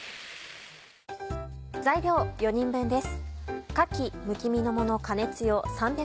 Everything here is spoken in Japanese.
材料４人分です。